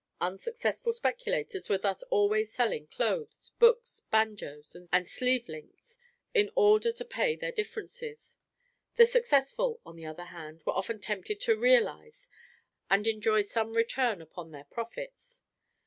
Unsuccessful speculators were thus always selling clothes, books, banjos, and sleeve links, in order to pay their differences; the successful, on the other hand, were often tempted to realise, and enjoy some return upon their profits.